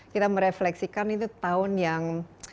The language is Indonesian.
kita merefleksikan itu tahun yang